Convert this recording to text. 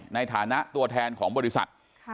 ในฐานะตัวแทนของบริษัท